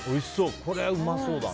これはうまそうだな。